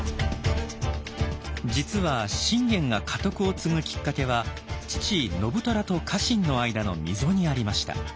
実は信玄が家督を継ぐきっかけは父信虎と家臣の間の溝にありました。